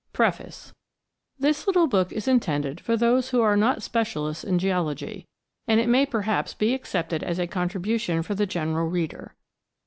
PREFACE THIS little book is intended for those who are not specialists in geology, and it may perhaps be accepted as a contribution for the general reader.